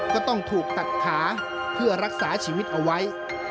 ก็ต้องถูกตัดขาเพื่อรักษาชีวิตเอาไว้